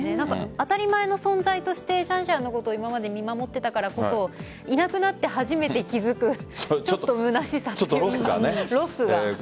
当たり前の存在としてシャンシャンのことを、今まで見守ってきたからこそいなくなって初めて気付くロスがね。